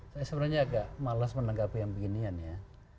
saya sebenarnya agak malas menanggapi yang beginian ya